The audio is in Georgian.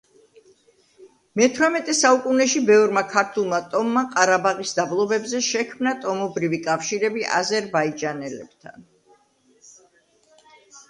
მეთვრამეტე საუკუნეში ბევრმა ქურთულმა ტომმა ყარაბაღის დაბლობებზე შექმნა ტომობრივი კავშირები აზერბაიჯანელებთან.